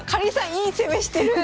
いい攻めしてる！